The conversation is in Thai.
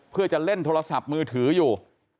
เพื่อจะเล่นโทรศัพท์มือถืออยู่